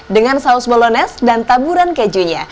dengan saus bolones dan taburan kejunya